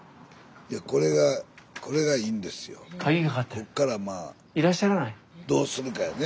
ここからまあどうするかよね。